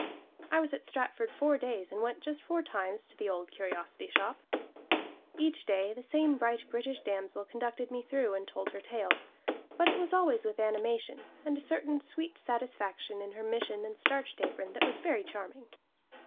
I was at Stratford four days and went just four times to the old curiosity shop. Each day the same bright British damsel conducted me through, and told her tale, but it was always with animation, and a certain sweet satisfaction in her mission and starched apron that was very charming.